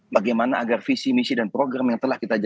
bagaimana agar visi misi dan program yang telah kita jaga